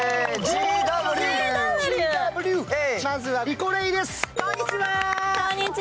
まずはリコレイです。